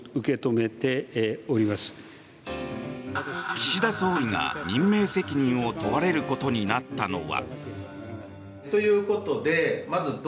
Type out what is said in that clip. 岸田総理が任命責任を問われることになったのは。